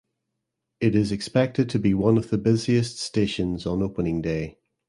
It is expected to be one of the busiest stations on opening day.